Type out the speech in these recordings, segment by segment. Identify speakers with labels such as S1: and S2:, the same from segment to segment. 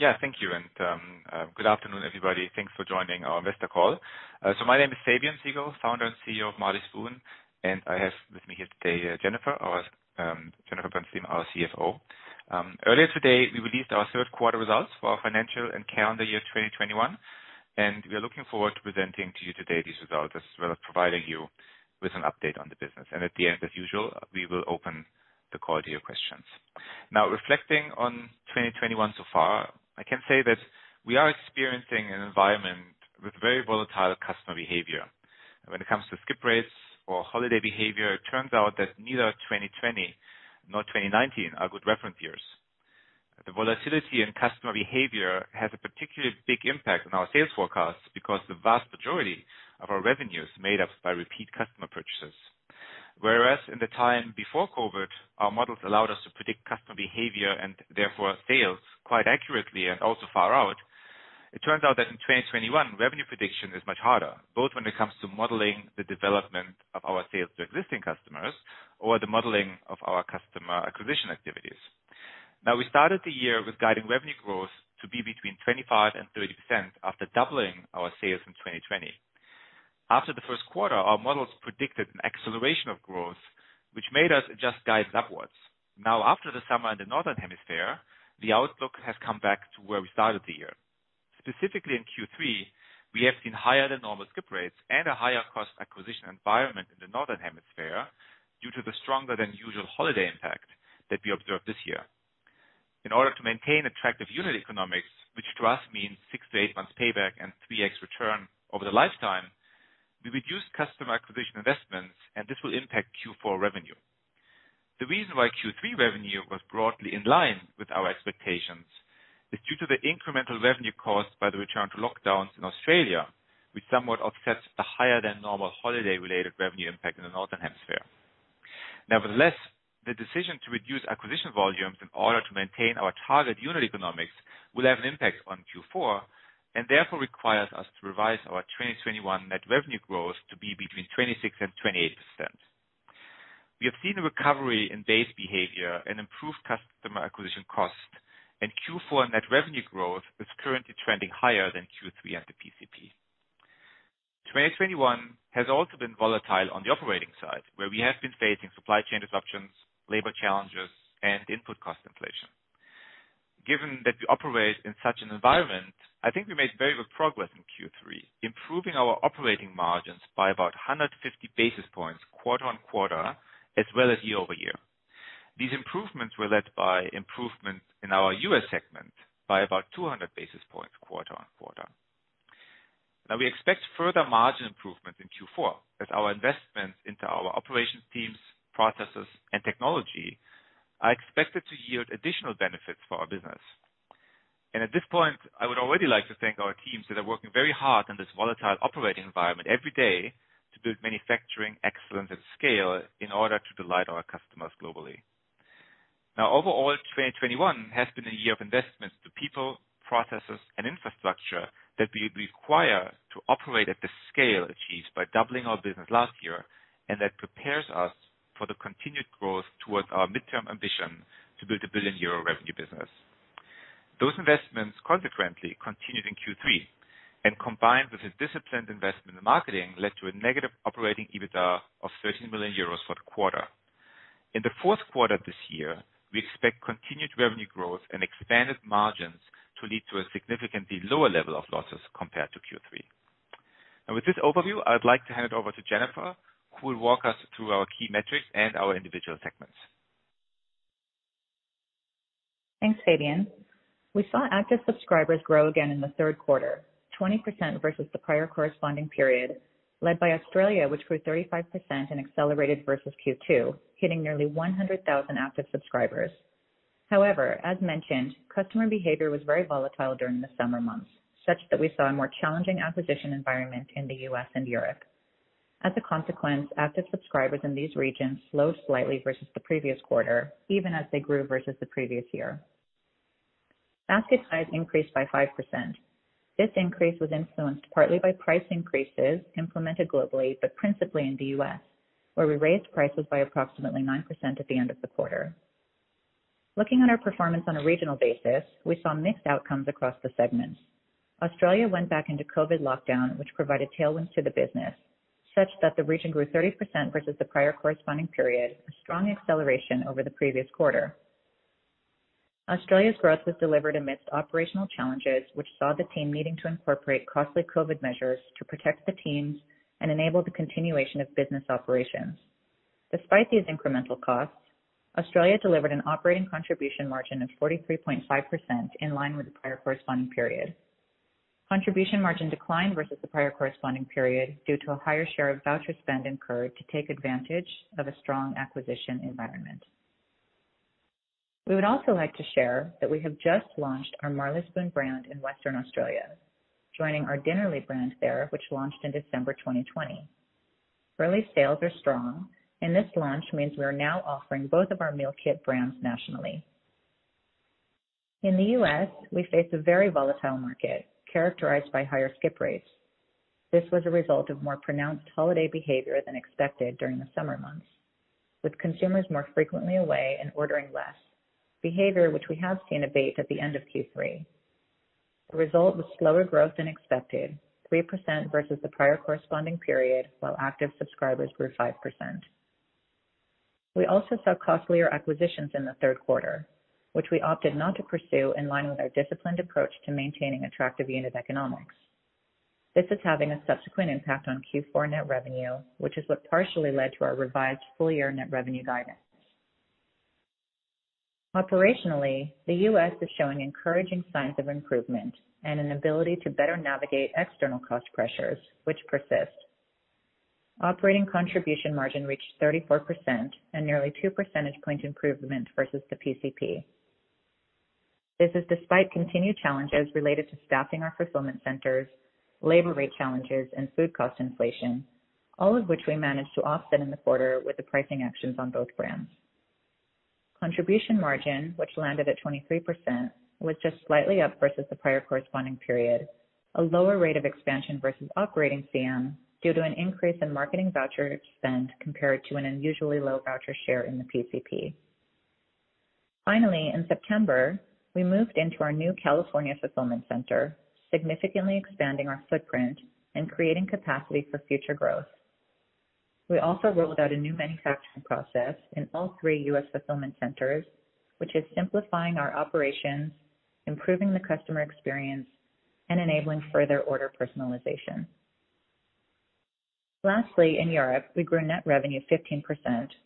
S1: Thank you. Good afternoon, everybody. Thanks for joining our investor call. My name is Fabian Siegel, Founder and CEO of Marley Spoon, and I have with me here today Jennifer Bernstein, our CFO. Earlier today, we released our third quarter results for our financial and calendar year 2021, and we are looking forward to presenting to you today these results, as well as providing you with an update on the business. At the end, as usual, we will open the call to your questions. Now, reflecting on 2021 so far, I can say that we are experiencing an environment with very volatile customer behavior. When it comes to skip rates or holiday behavior, it turns out that neither 2020 nor 2019 are good reference years. The volatility in customer behavior has a particularly big impact on our sales forecasts because the vast majority of our revenue is made up by repeat customer purchases. Whereas in the time before COVID, our models allowed us to predict customer behavior and therefore sales quite accurately and also far out. It turns out that in 2021, revenue prediction is much harder, both when it comes to modeling the development of our sales to existing customers or the modeling of our customer acquisition activities. Now, we started the year with guidance revenue growth to be between 25%-30% after doubling our sales in 2020. After the first quarter, our models predicted an acceleration of growth, which made us adjust guidance upwards. Now, after the summer in the Northern Hemisphere, the outlook has come back to where we started the year. Specifically in Q3, we have seen higher than normal skip rates and a higher cost acquisition environment in the Northern Hemisphere due to the stronger than usual holiday impact that we observed this year. In order to maintain attractive unit economics, which to us means six to eight months payback and 3x return over the lifetime, we reduced customer acquisition investments, and this will impact Q4 revenue. The reason why Q3 revenue was broadly in line with our expectations is due to the incremental revenue caused by the return to lockdowns in Australia, which somewhat offsets the higher than normal holiday-related revenue impact in the Northern Hemisphere. Nevertheless, the decision to reduce acquisition volumes in order to maintain our target unit economics will have an impact on Q4 and therefore requires us to revise our 2021 net revenue growth to be between 26% and 28%. We have seen a recovery in base behavior and improved customer acquisition costs, and Q4 net revenue growth is currently trending higher than Q3 at the PCP. 2021 has also been volatile on the operating side, where we have been facing supply chain disruptions, labor challenges, and input cost inflation. Given that we operate in such an environment, I think we made very good progress in Q3, improving our operating margins by about 150 basis points quarter-on-quarter as well as year-over-year. These improvements were led by improvements in our U.S. segment by about 200 basis points quarter-on-quarter. Now we expect further margin improvement in Q4 as our investments into our operations teams, processes and technology are expected to yield additional benefits for our business. At this point, I would already like to thank our teams that are working very hard in this volatile operating environment every day to build manufacturing excellence at scale in order to delight our customers globally. Now overall, 2021 has been a year of investments to people, processes and infrastructure that we require to operate at the scale achieved by doubling our business last year, and that prepares us for the continued growth towards our midterm ambition to build a 1 billion euro revenue business. Those investments consequently continued in Q3 and combined with a disciplined investment in marketing, led to a negative operating EBITDA of 13 million euros for the quarter. In the fourth quarter of this year, we expect continued revenue growth and expanded margins to lead to a significantly lower level of losses compared to Q3. With this overview, I'd like to hand it over to Jennifer, who will walk us through our key metrics and our individual segments.
S2: Thanks, Fabian. We saw active subscribers grow again in the third quarter, 20% versus the prior corresponding period, led by Australia, which grew 35% and accelerated versus Q2, hitting nearly 100,000 active subscribers. However, as mentioned, customer behavior was very volatile during the summer months, such that we saw a more challenging acquisition environment in the U.S. and Europe. As a consequence, active subscribers in these regions slowed slightly versus the previous quarter, even as they grew versus the previous year. Basket size increased by 5%. This increase was influenced partly by price increases implemented globally, but principally in the U.S., where we raised prices by approximately 9% at the end of the quarter. Looking at our performance on a regional basis, we saw mixed outcomes across the segments. Australia went back into COVID lockdown, which provided tailwinds to the business such that the region grew 30% versus the prior corresponding period, a strong acceleration over the previous quarter. Australia's growth was delivered amidst operational challenges, which saw the team needing to incorporate costly COVID measures to protect the teams and enable the continuation of business operations. Despite these incremental costs, Australia delivered an operating contribution margin of 43.5% in line with the prior corresponding period. Contribution margin declined versus the prior corresponding period, due to a higher share of voucher spend incurred to take advantage of a strong acquisition environment. We would also like to share that we have just launched our Marley Spoon brand in Western Australia, joining our Dinnerly brand there, which launched in December 2020. Early sales are strong, and this launch means we are now offering both of our meal kit brands nationally. In the U.S., we face a very volatile market characterized by higher skip rates. This was a result of more pronounced holiday behavior than expected during the summer months, with consumers more frequently away and ordering less, behavior which we have seen abate at the end of Q3. The result was slower growth than expected, 3% versus the prior corresponding period, while active subscribers grew 5%. We also saw costlier acquisitions in the third quarter, which we opted not to pursue in line with our disciplined approach to maintaining attractive unit economics. This is having a subsequent impact on Q4 net revenue, which is what partially led to our revised full-year net revenue guidance. Operationally, the U.S. is showing encouraging signs of improvement and an ability to better navigate external cost pressures which persist. Operating contribution margin reached 34% and nearly two percentage point improvement versus the PCP. This is despite continued challenges related to staffing our fulfillment centers, labor rate challenges, and food cost inflation, all of which we managed to offset in the quarter with the pricing actions on both brands. Contribution margin, which landed at 23%, was just slightly up versus the prior corresponding period, a lower rate of expansion versus operating CM due to an increase in marketing voucher spend compared to an unusually low voucher share in the PCP. Finally, in September, we moved into our new California fulfillment center, significantly expanding our footprint and creating capacity for future growth. We also rolled out a new manufacturing process in all three U.S. fulfillment centers, which is simplifying our operations, improving the customer experience, and enabling further order personalization. Lastly, in Europe, we grew net revenue 15%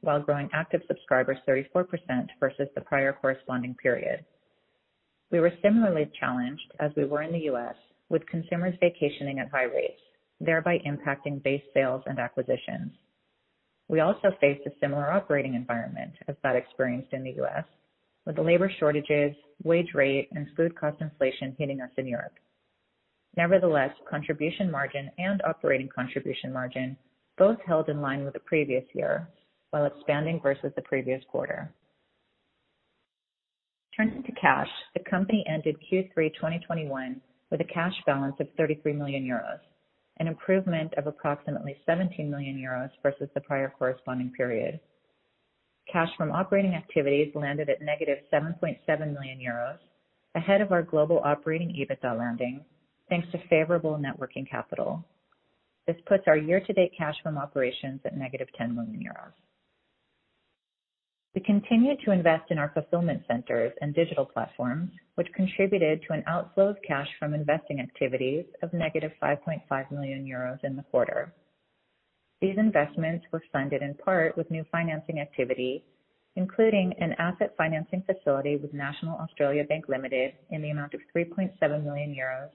S2: while growing active subscribers 34% versus the prior corresponding period. We were similarly challenged as we were in the U.S., with consumers vacationing at high rates, thereby impacting base sales and acquisitions. We also faced a similar operating environment as that experienced in the U.S., with labor shortages, wage rate, and food cost inflation hitting us in Europe. Nevertheless, contribution margin and operating contribution margin both held in line with the previous year while expanding versus the previous quarter. Turning to cash, the company ended Q3 2021 with a cash balance of 33 million euros, an improvement of approximately 17 million euros versus the prior corresponding period. Cash from operating activities landed at -7.7 million euros, ahead of our global operating EBITDA landing, thanks to favorable working capital. This puts our year-to-date cash from operations at -10 million euros. We continued to invest in our fulfillment centers and digital platforms, which contributed to an outflow of cash from investing activities of -5.5 million euros in the quarter. These investments were funded in part with new financing activity, including an asset financing facility with National Australia Bank Limited in the amount of 3.7 million euros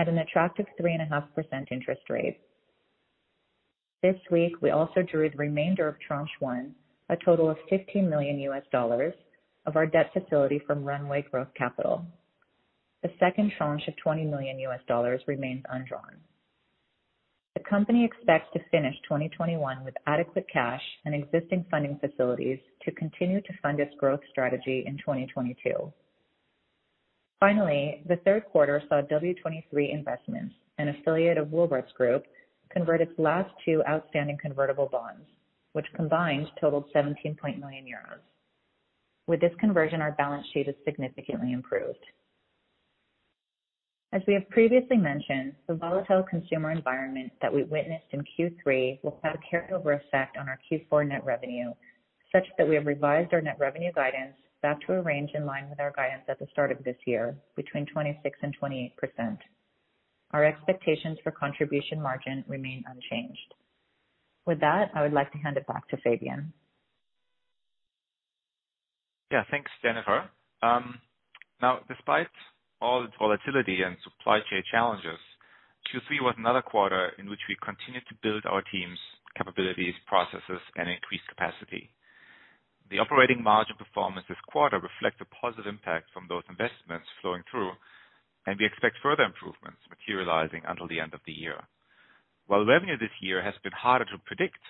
S2: at an attractive 3.5% interest rate. This week, we also drew the remainder of Tranche 1, a total of $15 million of our debt facility from Runway Growth Capital. The second tranche of $20 million remains undrawn. The company expects to finish 2021 with adequate cash and existing funding facilities to continue to fund its growth strategy in 2022. Finally, the third quarter saw W23, an affiliate of Woolworths Group, convert its last two outstanding convertible bonds, which combined totaled 17 million euros. With this conversion, our balance sheet is significantly improved. As we have previously mentioned, the volatile consumer environment that we witnessed in Q3 will have a carryover effect on our Q4 net revenue, such that we have revised our net revenue guidance back to a range in line with our guidance at the start of this year, between 26%-28%. Our expectations for contribution margin remain unchanged. With that, I would like to hand it back to Fabian.
S1: Yeah. Thanks, Jennifer. Now, despite all the volatility and supply chain challenges, Q3 was another quarter in which we continued to build our team's capabilities, processes, and increase capacity. The operating margin performance this quarter reflect a positive impact from those investments flowing through, and we expect further improvements materializing until the end of the year. While revenue this year has been harder to predict,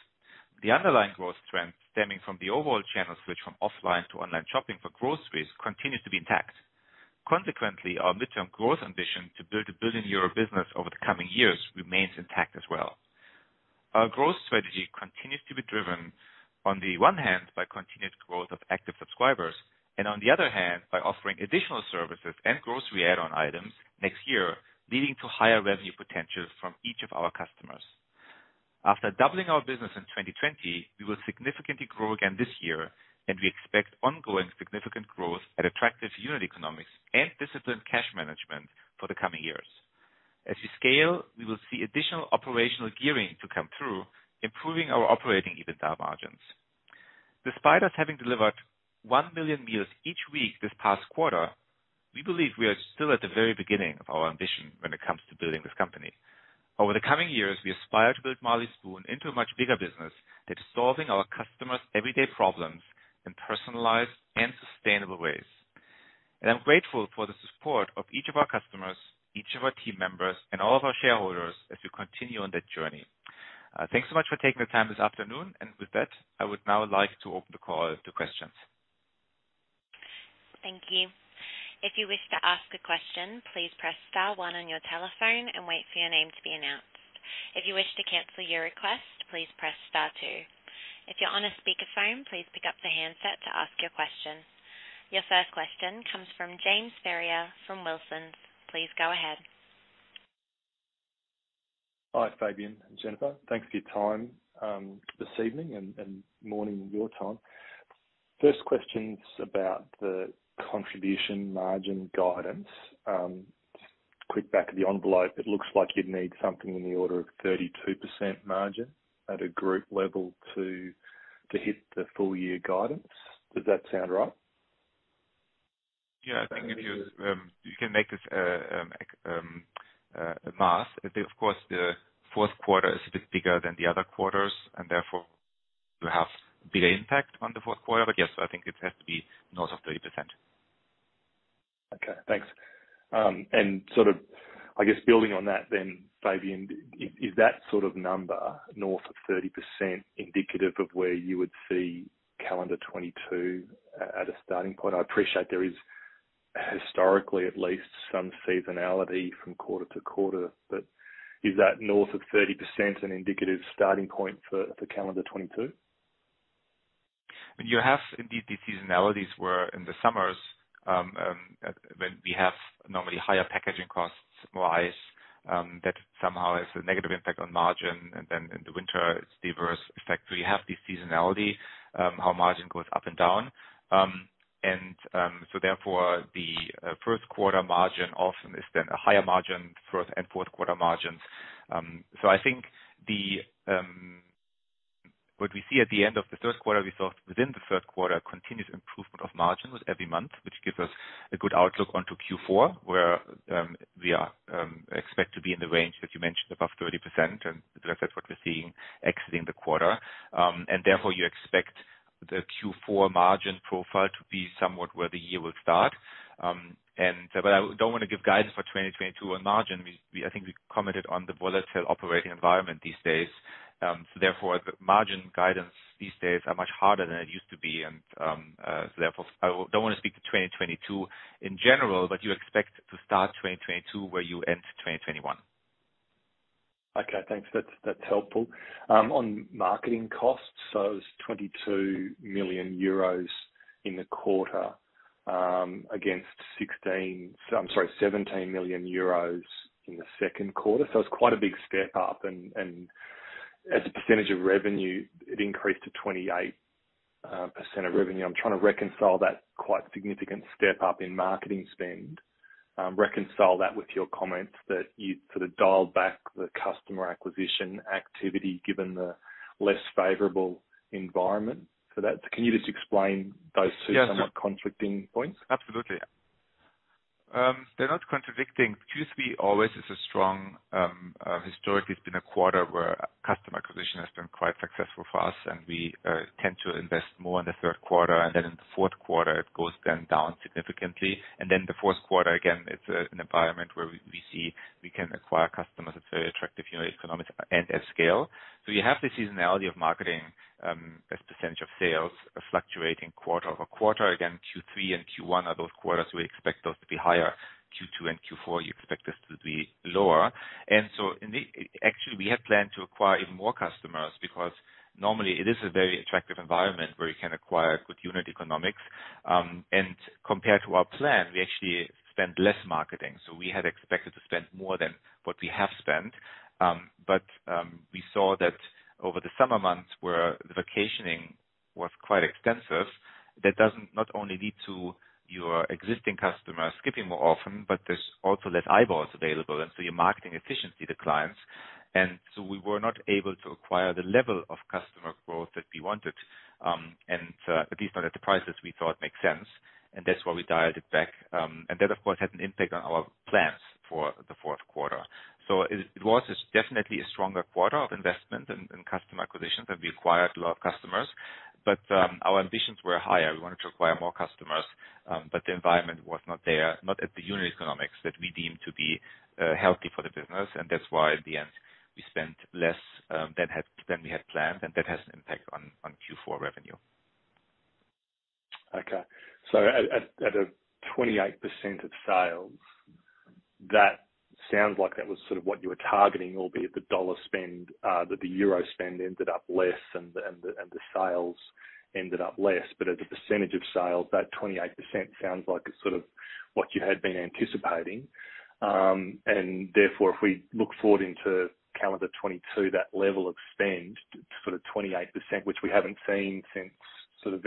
S1: the underlying growth trend stemming from the overall channel switch from offline to online shopping for groceries continues to be intact. Consequently, our midterm growth ambition to build a 1 billion euro business over the coming years remains intact as well. Our growth strategy continues to be driven, on the one hand, by continued growth of active subscribers and on the other hand, by offering additional services and grocery add-on items next year, leading to higher revenue potential from each of our customers. After doubling our business in 2020, we will significantly grow again this year, and we expect ongoing significant growth at attractive unit economics and disciplined cash management for the coming years. As we scale, we will see additional operational gearing to come through, improving our operating EBITDA margins. Despite us having delivered 1 million meals each week this past quarter, we believe we are still at the very beginning of our ambition when it comes to building this company. Over the coming years, we aspire to build Marley Spoon into a much bigger business that's solving our customers' everyday problems in personalized and sustainable ways. I'm grateful for the support of each of our customers, each of our team members, and all of our shareholders as we continue on that journey. Thanks so much for taking the time this afternoon, and with that, I would now like to open the call to questions.
S3: Thank you. Your first question comes from James Ferrier from Wilsons. Please go ahead.
S4: Hi, Fabian and Jennifer. Thanks for your time, this evening and morning your time. First question's about the contribution margin guidance. Quick back of the envelope, it looks like you'd need something in the order of 32% margin at a group level to hit the full year guidance. Does that sound right?
S1: Yeah, I think if you do the math. Of course, the fourth quarter is a bit bigger than the other quarters, and therefore you have a bigger impact on the fourth quarter. Yes, I think it has to be north of 30%.
S4: Okay, thanks. Sort of, I guess, building on that then, Fabian, is that sort of number, north of 30%, indicative of where you would see calendar 2022 at a starting point? I appreciate there is historically at least some seasonality from quarter-to-quarter. Is that north of 30% an indicative starting point for calendar 2022?
S1: You have indeed the seasonalities, where in the summers, when we have normally higher packaging costs rise, that somehow has a negative impact on margin, and then in the winter, it's reverse effect. You have the seasonality, how margin goes up and down. The first quarter margin often is then a higher margin, first and fourth quarter margin. I think what we see at the end of the third quarter, we saw within the third quarter continued improvement of margin with every month, which gives us a good outlook onto Q4, where we expect to be in the range that you mentioned, above 30%, and that's what we're seeing exiting the quarter. Therefore you expect the Q4 margin profile to be somewhat where the year will start. I don't want to give guidance for 2022 on margin. I think we commented on the volatile operating environment these days. Therefore, the margin guidance these days are much harder than it used to be. I don't want to speak to 2022 in general, but you expect to start 2022 where you end 2021.
S4: Okay, thanks. That's helpful. On marketing costs, it was 22 million euros in the quarter against 17 million euros in the second quarter. It's quite a big step up and as a percentage of revenue, it increased to 28% of revenue. I'm trying to reconcile that quite significant step up in marketing spend with your comment that you sort of dialed back the customer acquisition activity given the less favorable environment for that. Can you just explain those two-
S1: Yeah, sure.
S4: somewhat conflicting points?
S1: Absolutely. They're not contradicting. Q3 always is a strong historically. It's been a quarter where customer acquisition has been quite successful for us and we tend to invest more in the third quarter, and then in the fourth quarter, it goes then down significantly. The fourth quarter, again, it's an environment where we see we can acquire customers at very attractive unit economics and at scale. You have the seasonality of marketing as percentage of sales fluctuating quarter-over-quarter. Again, Q3 and Q1 are those quarters we expect those to be higher. Q2 and Q4, you expect us to be lower. Actually, we had planned to acquire even more customers because normally it is a very attractive environment where you can acquire good unit economics. Compared to our plan, we actually spent less on marketing. We had expected to spend more than what we have spent. But we saw that over the summer months where the vacationing was quite extensive, that not only leads to your existing customers skipping more often, but there's also less eyeballs available, and so your marketing efficiency declines. We were not able to acquire the level of customer growth that we wanted, and at least not at the prices we thought make sense. That's why we dialed it back. That of course had an impact on our plans for the fourth quarter. It was definitely a stronger quarter of investment and customer acquisition, and we acquired a lot of customers. Our ambitions were higher. We wanted to acquire more customers, but the environment was not there, not at the unit economics that we deemed to be healthy for the business. That's why at the end, we spent less than we had planned, and that has an impact on Q4 revenue.
S4: Okay. At a 28% of sales, that sounds like that was sort of what you were targeting, albeit the dollar spend that the euro spend ended up less and the sales ended up less. As a percentage of sales, that 28% sounds like it's sort of what you had been anticipating. Therefore, if we look forward into calendar 2022, that level of spend, sort of 28%, which we haven't seen since sort of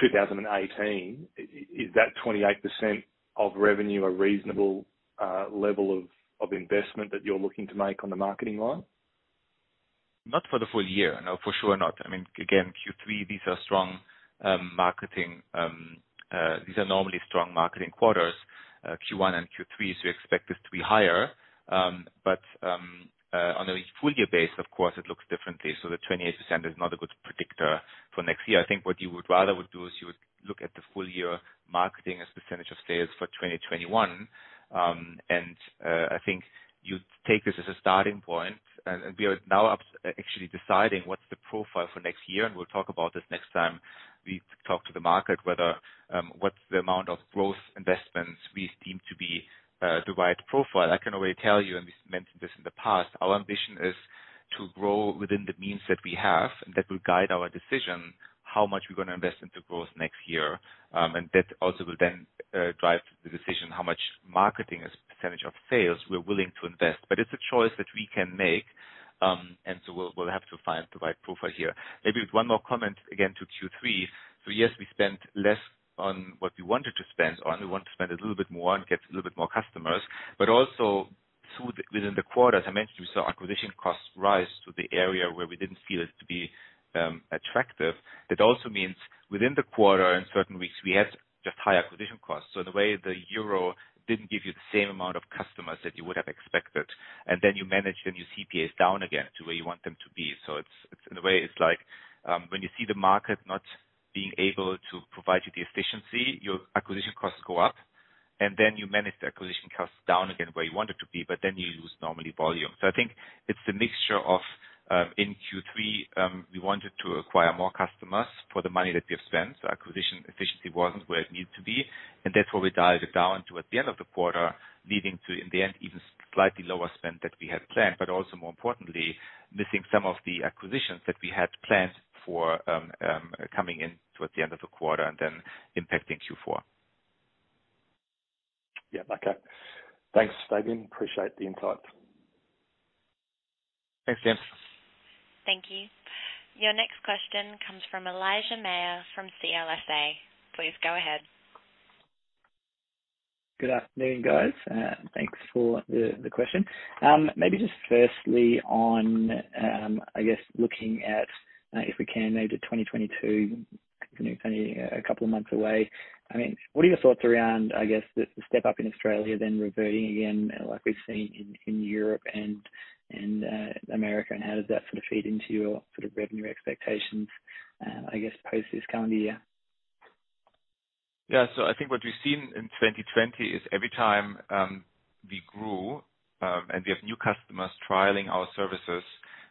S4: 2018, is that 28% of revenue a reasonable level of investment that you're looking to make on the marketing line?
S1: Not for the full year. No, for sure not. I mean, again, Q3, these are normally strong marketing quarters. Q1 and Q3, so you expect this to be higher. But on a full year basis, of course it looks differently. So the 28% is not a good predictor for next year. I think what you would rather do is you would look at the full year marketing as percentage of sales for 2021. And I think you take this as a starting point, and we are now actually deciding what's the profile for next year, and we'll talk about this next time we talk to the market, whether what's the amount of growth investments we deem to be the right profile. I can already tell you, and we've mentioned this in the past, our ambition is to grow within the means that we have. That will guide our decision, how much we're gonna invest into growth next year, and that also will then drive the decision how much marketing as a percentage of sales we're willing to invest. It's a choice that we can make, and we'll have to find the right profile here. Maybe one more comment, again, to Q3. Yes, we spent less on what we wanted to spend on. We want to spend a little bit more and get a little bit more customers, but also within the quarter, as I mentioned, we saw acquisition costs rise to the area where we didn't feel it to be attractive. That also means, within the quarter, in certain weeks, we had just high acquisition costs. The way the euro didn't give you the same amount of customers that you would have expected, and then your CPA is down again to where you want them to be. It's in a way, it's like when you see the market not being able to provide you the efficiency, your acquisition costs go up, and then you manage the acquisition costs down again where you want it to be, but then you lose normally volume. I think it's a mixture of in Q3 we wanted to acquire more customers for the money that we have spent. Acquisition efficiency wasn't where it needed to be, and that's where we dialed it down to at the end of the quarter, leading to, in the end, even slightly lower spend that we had planned, but also more importantly, missing some of the acquisitions that we had planned for, coming in towards the end of the quarter and then impacting Q4.
S4: Yeah. Okay. Thanks, Fabian. I appreciate the insight.
S1: Thanks, James.
S3: Thank you. Your next question comes from Elijah Mayr from CLSA. Please go ahead.
S5: Good afternoon, guys. Thanks for the question. Maybe just firstly on, I guess looking at, if we can maybe to 2022, kind of only a couple of months away. I mean, what are your thoughts around, I guess, the step up in Australia then reverting again like we've seen in Europe and America? How does that sort of feed into your sort of revenue expectations, I guess post this calendar year?
S1: Yeah. I think what we've seen in 2020 is every time we grew and we have new customers trialing our services,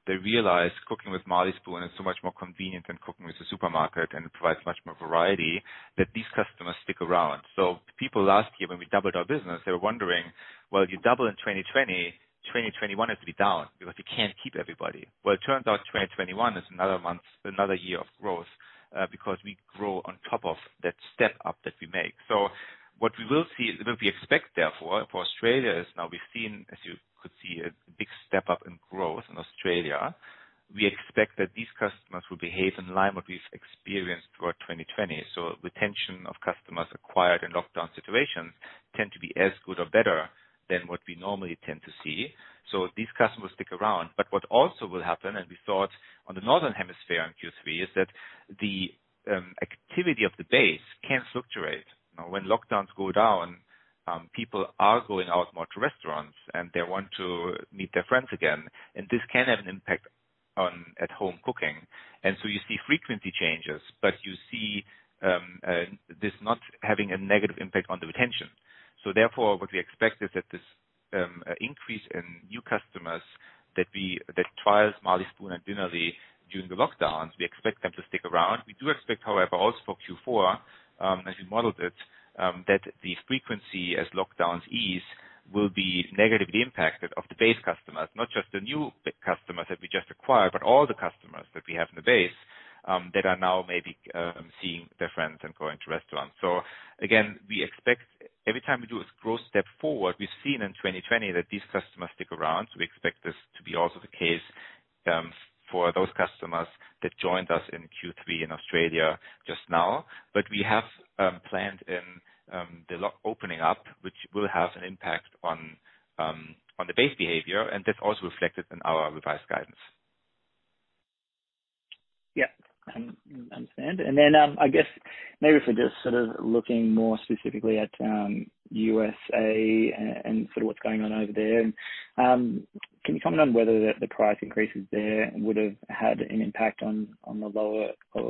S1: they realize cooking with Marley Spoon is so much more convenient than cooking with the supermarket and provides much more variety that these customers stick around. People last year, when we doubled our business, they were wondering, "Well, if you double in 2020, 2021 has to be down because you can't keep everybody." Well, it turns out 2021 is another year of growth because we grow on top of that step up that we make. What we will see, what we expect therefore for Australia is now we've seen, as you could see, a big step up in growth in Australia. We expect that these customers will behave in line what we've experienced toward 2020. Retention of customers acquired in lockdown situations tend to be as good or better than what we normally tend to see. These customers stick around. What also will happen, and we saw it on the Northern Hemisphere in Q3, is that the activity of the base can fluctuate. Now, when lockdowns go down, people are going out more to restaurants, and they want to meet their friends again, and this can have an impact on at home cooking. You see frequency changes. You see, this not having a negative impact on the retention. Therefore, what we expect is that this increase in new customers that trial Marley Spoon and Dinnerly during the lockdowns, we expect them to stick around. We do expect, however, also for Q4, as we modeled it, that the frequency as lockdowns ease will be negatively impacted of the base customers. Not just the new customers that we just acquired, but all the customers that we have in the base, that are now maybe seeing their friends and going to restaurants. Again, we expect every time we do a growth step forward, we've seen in 2020 that these customers stick around. We expect this to be also the case for those customers that joined us in Q3 in Australia just now. We have planned in the lockdown opening up, which will have an impact on the base behavior, and that's also reflected in our revised guidance.
S5: I understand. I guess maybe if we're just sort of looking more specifically at USA and sort of what's going on over there. Can you comment on whether the price increases there would've had an impact on the lower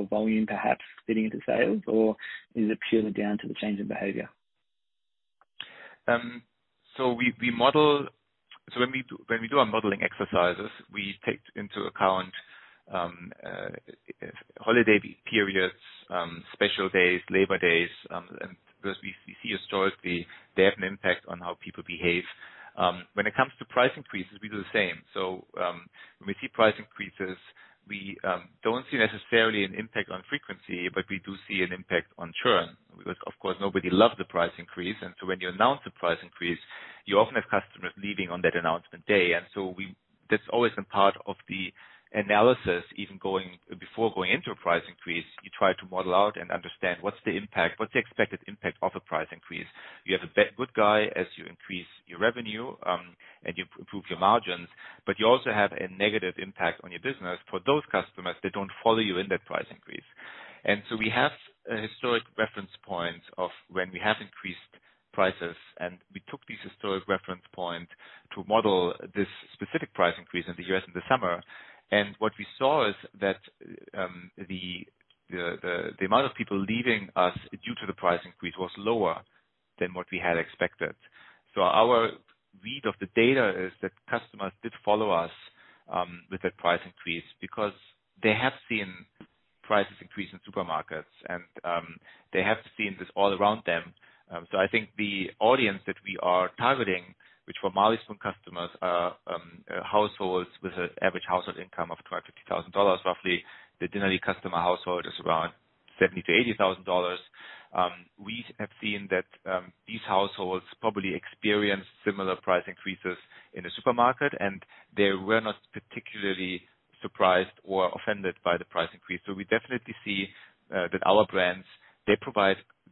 S5: volume perhaps factoring into sales? Or is it purely down to the change in behavior?
S1: When we do our modeling exercises, we take into account holiday periods, special days, labor days, and because we see historically they have an impact on how people behave. When it comes to price increases, we do the same. When we see price increases, we don't see necessarily an impact on frequency, but we do see an impact on churn, because of course, nobody loves the price increase. When you announce the price increase, you often have customers leaving on that announcement day. That's always a part of the analysis. Before going into a price increase, you try to model out and understand what's the impact, what's the expected impact of a price increase. You have a benefit as you increase your revenue, and you improve your margins, but you also have a negative impact on your business for those customers that don't follow you in that price increase. We have a historic reference point of when we have increased prices, and we took these historic reference points to model this specific price increase in the U.S. in the summer. What we saw is that the amount of people leaving us due to the price increase was lower than what we had expected. Our read of the data is that customers did follow us with that price increase because they have seen prices increase in supermarkets and they have seen this all around them. I think the audience that we are targeting, which for Marley Spoon customers are households with an average household income of $25,000-$50,000 roughly. The Dinnerly customer household is around $70,000-$80,000. We have seen that these households probably experience similar price increases in the supermarket, and they were not particularly surprised or offended by the price increase. We definitely see that our brands they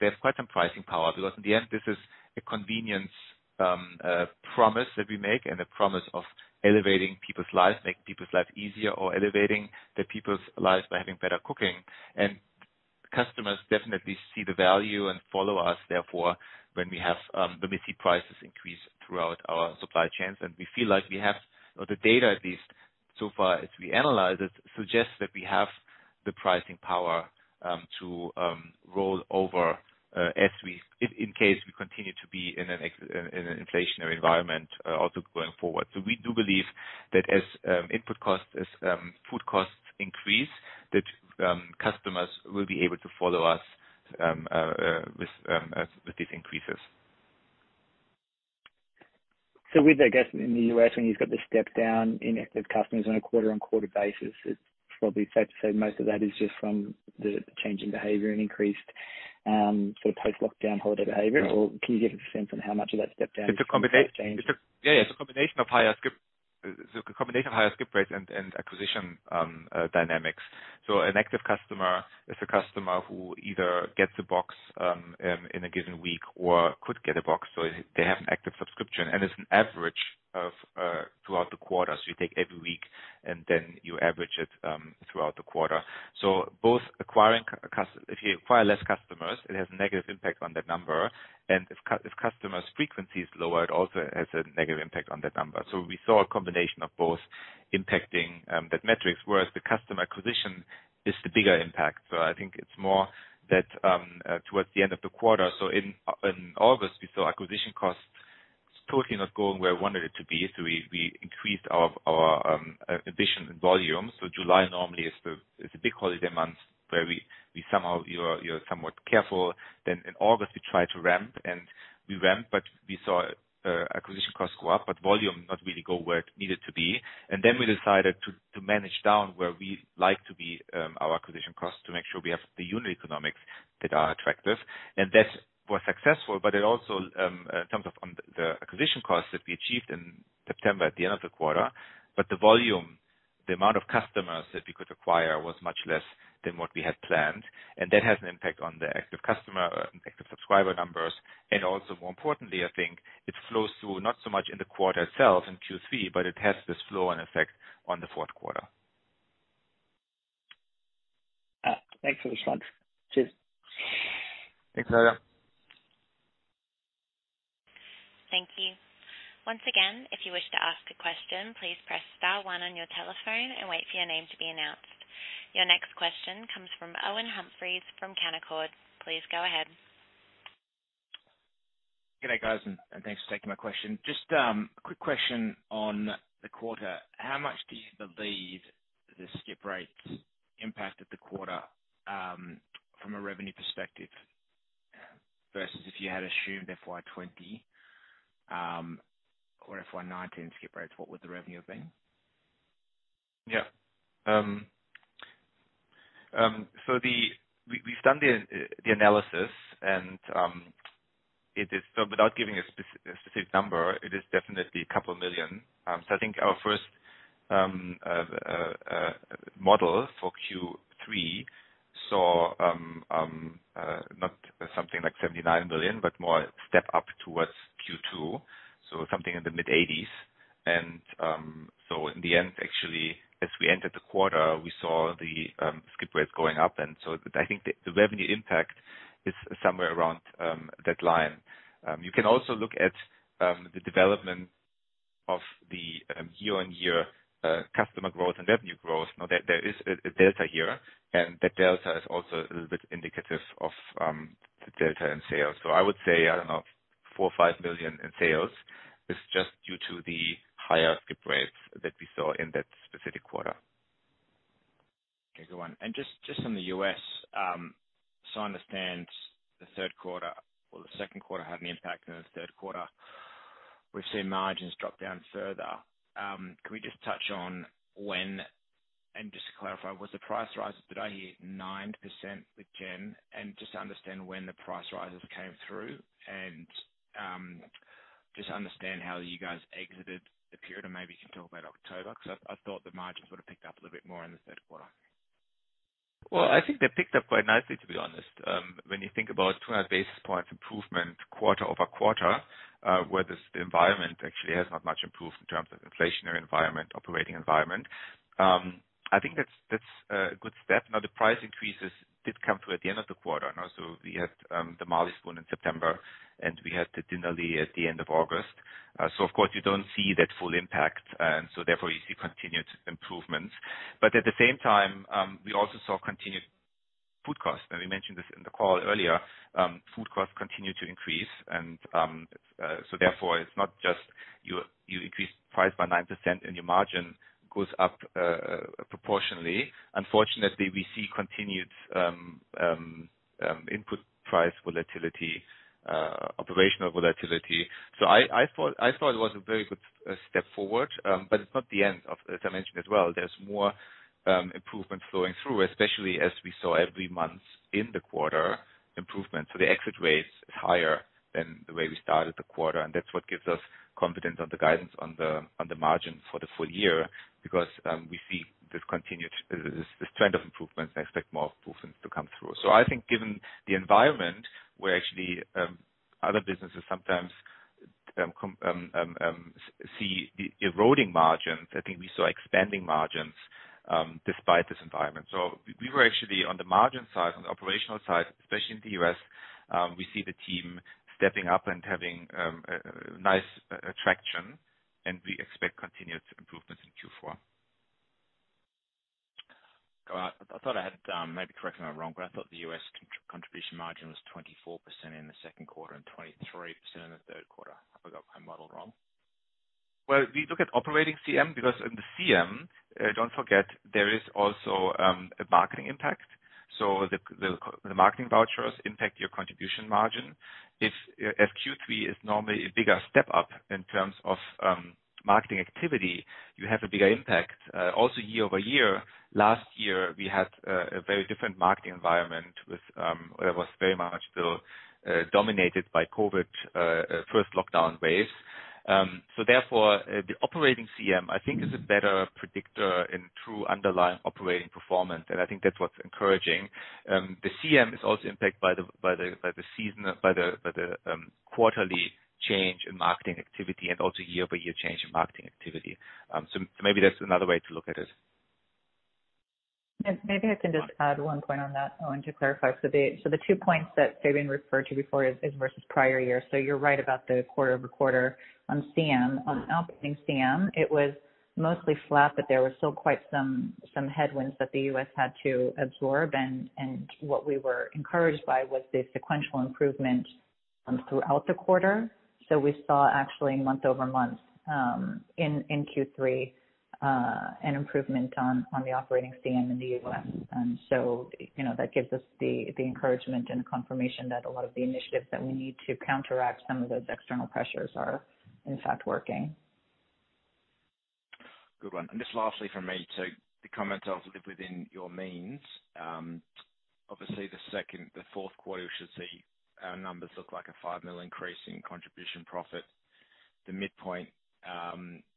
S1: have quite some pricing power because in the end, this is a convenience promise that we make and a promise of elevating people's lives, making people's lives easier or elevating the people's lives by having better cooking. Customers definitely see the value and follow us, therefore, when we see prices increase throughout our supply chains, and we feel like we have the data at least so far as we analyze it, suggests that we have the pricing power, to roll over, in case we continue to be in an inflationary environment, also going forward. We do believe that as input costs, as food costs increase, that customers will be able to follow us with these increases.
S5: With, I guess, in the U.S. when you've got the step down in active customers on a quarter-over-quarter basis, it's probably fair to say most of that is just from the change in behavior and increased sort of post-lockdown holiday behavior. Can you give a sense of how much of that step down?
S1: It's a combination.
S5: is change?
S1: Yeah, yeah. It's a combination of higher skip rates and acquisition dynamics. An active customer is a customer who either gets a box in a given week or could get a box. They have an active subscription, and it's an average throughout the quarter. You take every week and then you average it throughout the quarter. If you acquire less customers, it has a negative impact on that number. If customers frequency is lower, it also has a negative impact on that number. We saw a combination of both impacting that metric, whereas the customer acquisition is the bigger impact. I think it's more that towards the end of the quarter. In August, we saw acquisition costs totally not going where I wanted it to be. We increased our addition in volume. July normally is a big holiday month where we somehow were somewhat careful. In August, we ramp, but we saw acquisition costs go up, but volume not really go where it needed to be. We decided to manage down where we like to be our acquisition costs to make sure we have the unit economics that are attractive. That was successful, but it also in terms of the acquisition costs that we achieved in September at the end of the quarter. The volume, the amount of customers that we could acquire was much less than what we had planned, and that has an impact on the active customer, active subscriber numbers. Also more importantly, I think it flows through not so much in the quarter itself in Q3, but it has this flow and effect on the fourth quarter.
S5: Thanks for the response. Cheers.
S1: Thanks, Elijah.
S3: Thank you. Once again, if you wish to ask a question, please press star one on your telephone and wait for your name to be announced. Your next question comes from Owen Humphries from Canaccord. Please go ahead.
S6: Good day, guys, and thanks for taking my question. Just a quick question on the quarter. How much do you believe the skip rates impacted the quarter, from a revenue perspective versus if you had assumed FY 2020 or FY 2019 skip rates, what would the revenue have been?
S1: We've done the analysis and it is so without giving a specific number, it is definitely a couple million. I think our first model for Q3 saw not something like 79 million, but more step up towards Q2, so something in the EUR mid-80s million. In the end actually, as we entered the quarter, we saw the skip rates going up. I think the revenue impact is somewhere around that line. You can also look at the development of the year-on-year customer growth and revenue growth. Now there is a delta here, and the delta is also a little bit indicative of the delta in sales. I would say, I don't know, 4 million, 5 million in sales is just due to the higher skip rates that we saw in that specific quarter.
S6: Okay. Go on. Just on the U.S., so I understand the third quarter or the second quarter had an impact on the third quarter. We've seen margins drop down further. Can we just touch on when, and just to clarify, was the price rises, did I hear 9% with Jen? Just to understand when the price rises came through and, just understand how you guys exited the period, and maybe you can talk about October because I thought the margins would have picked up a little bit more in the third quarter.
S1: Well, I think they picked up quite nicely, to be honest. When you think about 200 basis points improvement quarter-over-quarter, where the environment actually has not much improved in terms of inflationary environment, operating environment. I think that's a good step. Now, the price increases did come through at the end of the quarter, and also we had the Marley Spoon in September, and we had the Dinnerly at the end of August. So of course, you don't see that full impact, and so therefore you see continued improvements. At the same time, we also saw continued food costs. Now, we mentioned this in the call earlier. Food costs continue to increase and so therefore it's not just you increase price by 9% and your margin goes up proportionally. Unfortunately, we see continued input price volatility, operational volatility. I thought it was a very good step forward, but it's not the end of it. As I mentioned as well, there's more improvement flowing through, especially as we saw every month in the quarter improvements. The exit rate is higher than the way we started the quarter, and that's what gives us confidence on the guidance on the margin for the full year. Because we see this continued trend of improvements and expect more improvements to come through. I think given the environment where actually other businesses sometimes see eroding margins, I think we saw expanding margins despite this environment. We were actually on the margin side, on the operational side, especially in the U.S. We see the team stepping up and having a nice traction, and we expect continued improvements in Q4.
S6: All right. I thought I had it down. Maybe correct me if I'm wrong, but I thought the U.S. contribution margin was 24% in the second quarter and 23% in the third quarter. Have I got my model wrong?
S1: Well, we look at operating CM because in the CM, don't forget there is also a marketing impact. The marketing vouchers impact your contribution margin. If, as Q3 is normally a bigger step up in terms of marketing activity, you have a bigger impact. Also year-over-year, last year, we had a very different marketing environment with where it was very much still dominated by COVID first lockdown phase. Therefore, the operating CM, I think is a better predictor in true underlying operating performance, and I think that's what's encouraging. The CM is also impacted by the quarterly change in marketing activity and also year-over-year change in marketing activity. Maybe that's another way to look at it.
S2: Maybe I can just add one point on that, Owen, to clarify. So the two points that Fabian referred to before is versus prior year. So you're right about the quarter-over-quarter on CM. On operating CM, it was mostly flat, but there were still quite some headwinds that the U.S. had to absorb, and what we were encouraged by was the sequential improvement throughout the quarter. So we saw actually month-over-month in Q3 an improvement on the operating CM in the U.S. You know, that gives us the encouragement and the confirmation that a lot of the initiatives that we need to counteract some of those external pressures are, in fact, working.
S6: Good one. Just lastly from me to the comments also within your materials, obviously the fourth quarter, we should see our numbers look like a 5 million increase in contribution profit, the midpoint,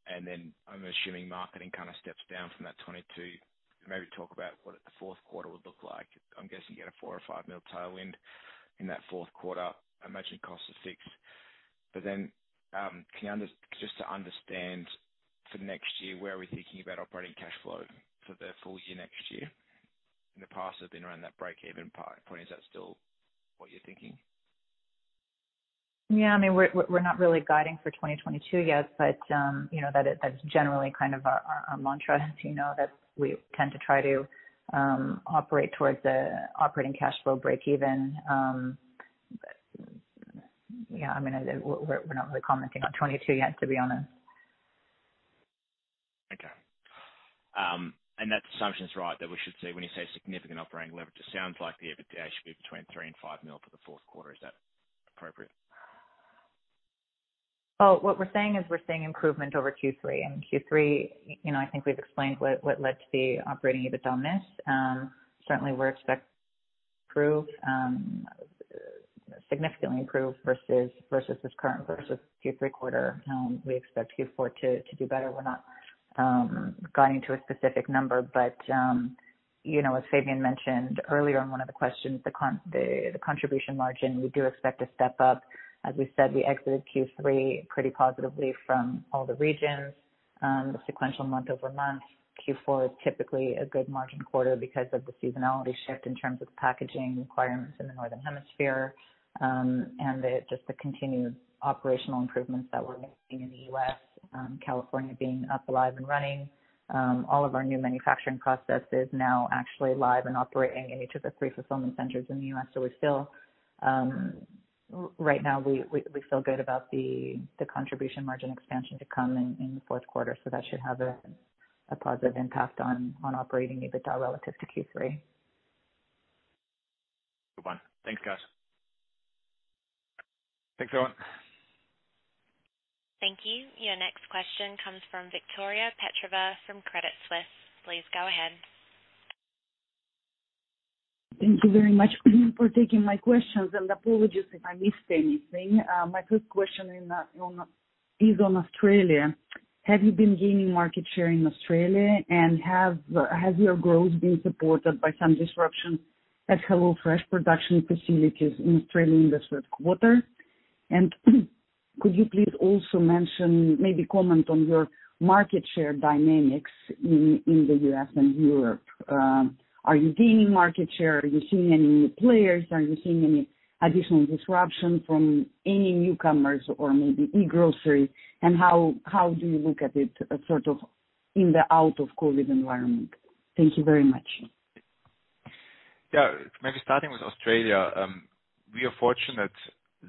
S6: and then I'm assuming marketing kinda steps down from that 22 million. Maybe talk about what the fourth quarter would look like. I'm guessing you get a 4 million or 5 million tailwind in that fourth quarter. I imagine cost of 6 million. Then, can you, just to understand for next year, where are we thinking about operating cash flow for the full year next year? In the past, they've been around that break-even point. Is that still what you're thinking?
S2: Yeah. I mean, we're not really guiding for 2022 yet, but you know, that's generally kind of our mantra as you know, that we tend to try to operate towards the operating cash flow break even. Yeah, I mean, we're not really commenting on 2022 yet, to be honest.
S6: Okay. That assumption is right that we should see when you say significant operating leverage, it sounds like the EBITDA should be between 3 million and 5 million for the fourth quarter. Is that appropriate?
S2: Well, what we're saying is we're seeing improvement over Q3. And, Q3, you know, I think we've explained what led to the operating EBITDA miss. Certainly, we're expecting to improve significantly versus this current Q3 quarter. We expect Q4 to do better. We're not guiding to a specific number. You know, as Fabian mentioned earlier in one of the questions, the contribution margin, we do expect to step up. As we said, we exited Q3 pretty positively from all the regions. The sequential month-over-month, Q4 is typically a good margin quarter because of the seasonality shift in terms of the packaging requirements in the Northern Hemisphere, and just the continued operational improvements that we're making in the U.S., California being up, alive and running. All of our new manufacturing processes now actually live and operate in each of the three fulfillment centers in the U.S. We're still right now we feel good about the contribution margin expansion to come in the fourth quarter. That should have a positive impact on operating EBITDA relative to Q3.
S6: Good one. Thanks, guys.
S1: Thanks, Owen.
S3: Thank you. Your next question comes from Victoria Petrova from Credit Suisse. Please go ahead.
S7: Thank you very much for taking my questions, and apologies if I missed anything. My first question is on Australia. Have you been gaining market share in Australia, and has your growth been supported by some disruption at HelloFresh production facilities in Australia in this third quarter? Could you please also mention, maybe comment on your market share dynamics in the U.S. and Europe. Are you gaining market share? Are you seeing any new players? Are you seeing any additional disruption from any newcomers or maybe e-grocery? How do you look at it as sort of in the post-COVID environment? Thank you very much.
S1: Yeah. Maybe starting with Australia, we are fortunate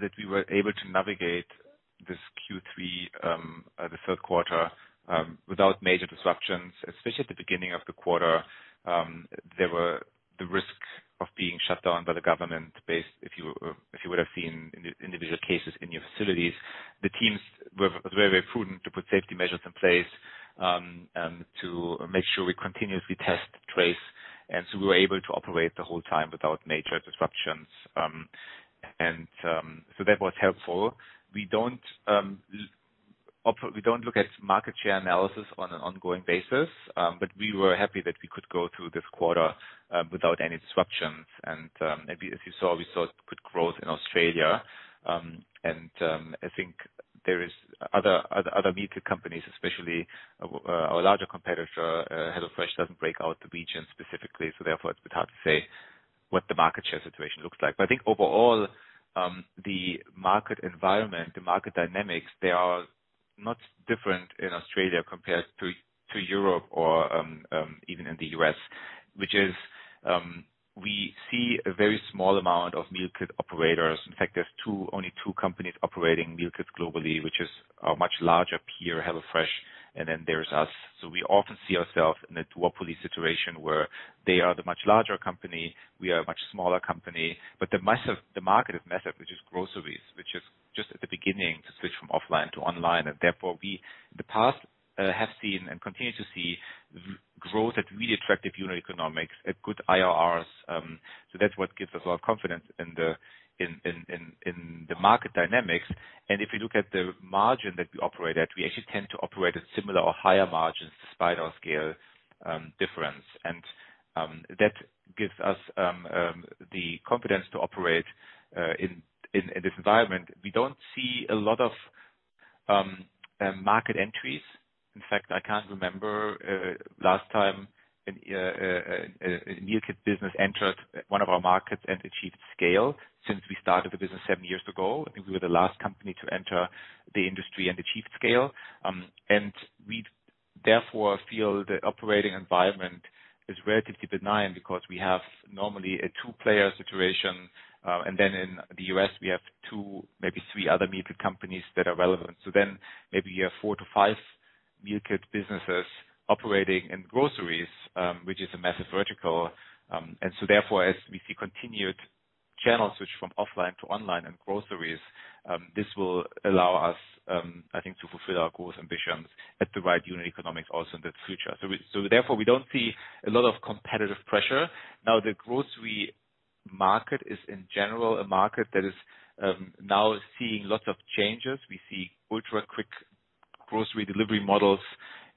S1: that we were able to navigate this Q3, the third quarter, without major disruptions, especially at the beginning of the quarter. There were the risks of being shut down by the government based, if you would have seen individual cases in your facilities. The teams were very prudent to put safety measures in place, and to make sure we continuously test, trace, and so we were able to operate the whole time without major disruptions. That was helpful. We don't look at market share analysis on an ongoing basis, but we were happy that we could go through this quarter without any disruptions. Maybe as you saw, we saw good growth in Australia. I think there is other meal companies, especially, our larger competitor, HelloFresh, doesn't break out the region specifically, so therefore it's a bit hard to say what the market share situation looks like. I think overall, the market environment, the market dynamics, they are not different in Australia compared to Europe or even in the U.S., which is, we see a very small amount of meal kit operators. In fact, there's two, only two companies operating meal kits globally, which is our much larger peer, HelloFresh, and then there's us. We often see ourself in a duopoly situation where they are the much larger company, we are a much smaller company, but the market is massive, which is groceries, which is just at the beginning to switch from offline to online. Therefore, we in the past have seen and continue to see our growth at really attractive unit economics at good IRRs. That's what gives us our confidence in the market dynamics. If you look at the margin that we operate at, we actually tend to operate at similar or higher margins despite our scale difference. That gives us the confidence to operate in this environment. We don't see a lot of market entries. In fact, I can't remember last time a meal kit business entered one of our markets and achieved scale since we started the business seven years ago. I think we were the last company to enter the industry and achieve scale. We therefore feel the operating environment is relatively benign because we have normally a two-player situation. Then in the U.S., we have two, maybe three other meal kit companies that are relevant. Maybe you have four to five meal kit businesses operating in groceries, which is a massive vertical. Therefore, as we see continued channel switch from offline to online and groceries, this will allow us, I think, to fulfill our growth ambitions at the right unit economics also in the future. Therefore, we don't see a lot of competitive pressure. Now, the grocery market is, in general, a market that is now seeing lots of changes. We see ultra-quick grocery delivery models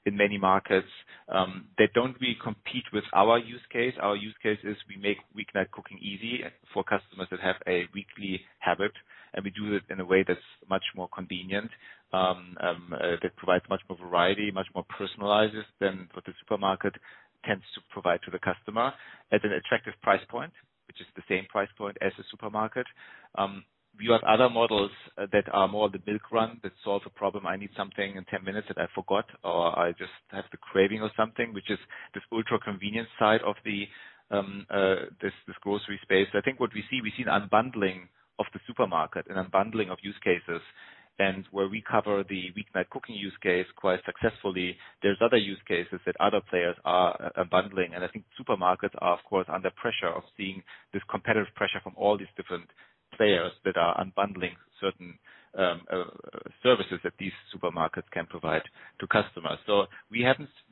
S1: in many markets that don't really compete with our use case. Our use case is we make weeknight cooking easy for customers that have a weekly habit, and we do it in a way that's much more convenient that provides much more variety, much more personalization than what the supermarket tends to provide to the customer at an attractive price point, which is the same price point as the supermarket. We have other models that are more the milk run that solves a problem. I need something in 10 minutes that I forgot, or I just have the craving or something, which is this ultra-convenience side of this grocery space. I think what we see an unbundling of the supermarket and unbundling of use cases. Where we cover the weeknight cooking use case quite successfully, there's other use cases that other players are bundling. I think supermarkets are, of course, under pressure of seeing this competitive pressure from all these different players that are unbundling certain services that these supermarkets can provide to customers. We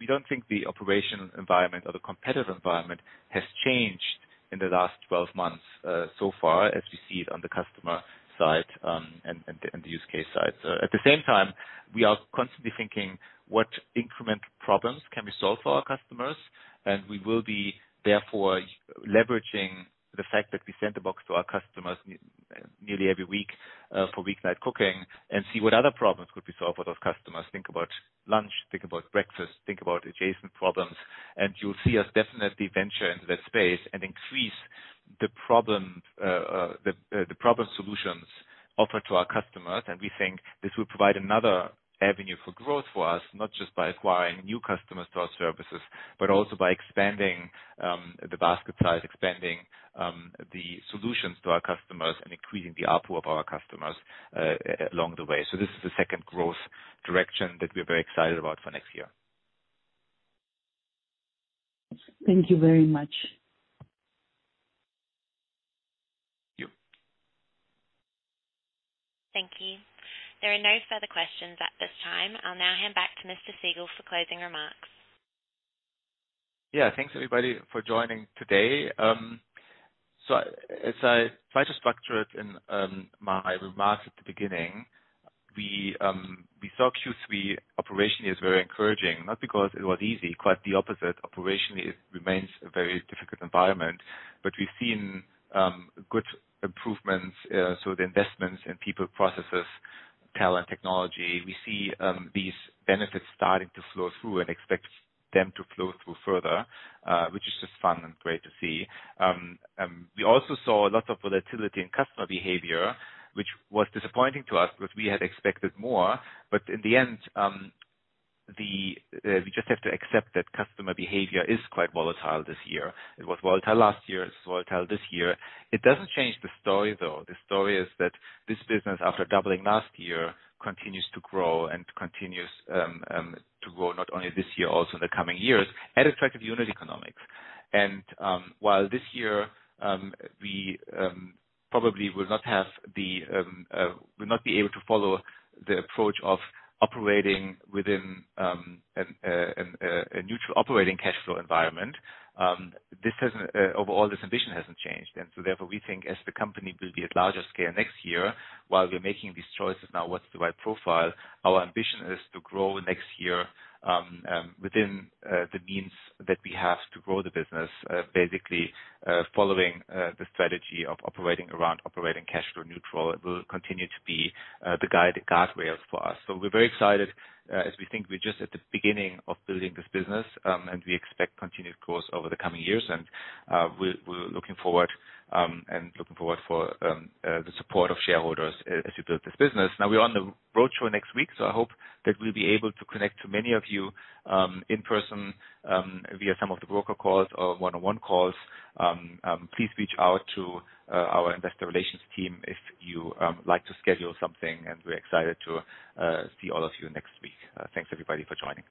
S1: don't think the operational environment or the competitive environment has changed in the last 12 months, so far as we see it on the customer side, and the use case side. At the same time, we are constantly thinking what incremental problems can we solve for our customers. We will be therefore leveraging the fact that we send a box to our customers nearly every week for weeknight cooking and see what other problems could we solve for those customers. Think about lunch, think about breakfast, think about adjacent problems. You'll see us definitely venture into that space and increase the problem solutions offered to our customers. We think this will provide another avenue for growth for us, not just by acquiring new customers to our services, but also by expanding the basket size, expanding the solutions to our customers and increasing the ARPU of our customers along the way. This is the second growth direction that we're very excited about for next year.
S7: Thank you very much.
S1: Yep.
S3: Thank you. There are no further questions at this time. I'll now hand back to Mr. Siegel for closing remarks.
S1: Yeah. Thanks everybody for joining today. As I try to structure it in my remarks at the beginning, we saw Q3 operations very encouraging, not because it was easy, quite the opposite. Operationally, it remains a very difficult environment, but we've seen good improvements. The investments in people, processes, talent, technology, we see these benefits starting to flow through and expect them to flow through further, which is just fun and great to see. We also saw a lot of volatility in customer behavior, which was disappointing to us because we had expected more. In the end, we just have to accept that customer behavior is quite volatile this year. It was volatile last year, it's volatile this year. It doesn't change the story though. The story is that this business, after doubling last year, continues to grow not only this year, also in the coming years at attractive unit economics. While this year we probably will not be able to follow the approach of operating within a neutral operating cash flow environment, overall this ambition hasn't changed. Therefore, we think as the company will be at larger scale next year, while we're making these choices now, what's the right profile? Our ambition is to grow next year within the means that we have to grow the business, basically following the strategy of operating around operating cash flow neutral. It will continue to be the guide, the guardrails for us. We're very excited, as we think we're just at the beginning of building this business, and we expect continued growth over the coming years. We're looking forward to the support of shareholders as we build this business. Now, we're on the road show next week, so I hope that we'll be able to connect to many of you, in person, via some of the broker calls or one-on-one calls. Please reach out to our investor relations team if you like to schedule something. We're excited to see all of you next week. Thanks everybody for joining.